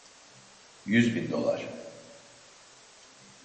Yüz bin dolar.